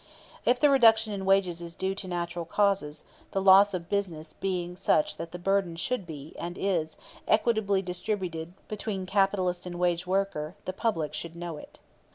If the reduction in wages is due to natural causes, the loss of business being such that the burden should be and is, equitably distributed between capitalist and wage worker, the public should know it.